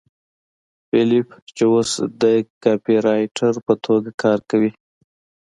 فیلیپ چې اوس د کاپيرایټر په توګه کار کوي